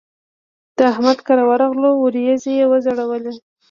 د احمد کره ورغلوو؛ وريځې يې وځړولې.